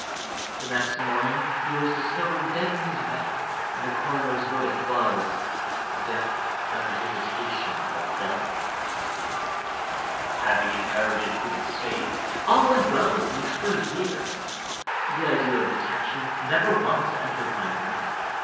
The next morning he was discovered dead in his bed, and the coroner's verdict was—"Death by the visitation of God." Having inherited his estate, all went well with me for years. The idea of detection never once entered my brain.